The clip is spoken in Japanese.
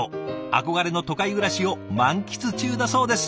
憧れの都会暮らしを満喫中だそうです。